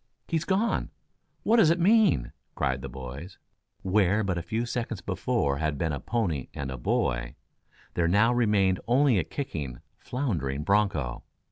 "He's gone! What does it mean?" cried the boys. Where but a few seconds before had been a pony and a boy, there now remained only a kicking, floundering broncho.